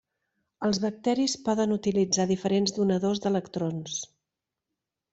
Els bacteris poden utilitzar diferents donadors d'electrons.